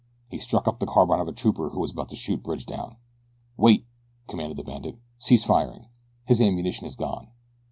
He struck up the carbine of a trooper who was about to shoot Bridge down. "Wait!" commanded the bandit. "Cease firing! His ammunition is gone.